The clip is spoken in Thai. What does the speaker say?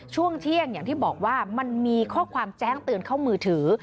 ช่วงเที่ยงอย่างที่บอกว่ามันมีข้อความแจ้งเตือนเข้ามือถือ